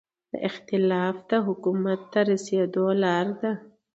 دا اختلاف د حکومت ته رسېدو لاره ده.